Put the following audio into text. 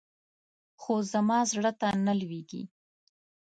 خو زما زړه ته نه لوېږي.